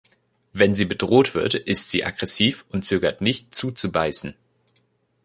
Wenn sie bedroht wird, ist sie aggressiv und zögert nicht, zuzubeißen.